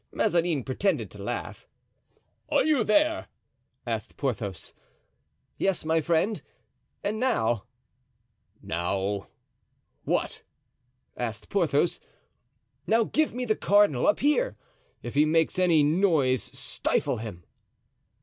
Mazarin pretended to laugh. "Are you there?" asked Porthos. "Yes, my friend; and now——" "Now, what?" asked Porthos. "Now give me the cardinal up here; if he makes any noise stifle him."